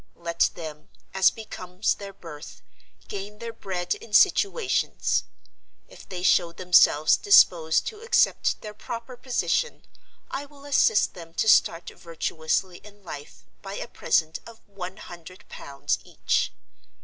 Let them, as becomes their birth, gain their bread in situations. If they show themselves disposed to accept their proper position I will assist them to start virtuously in life by a present of one hundred pounds each.